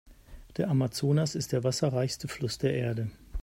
Der Amazonas ist der Wasserreichste Fluss der Erde.